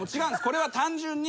これは単純に。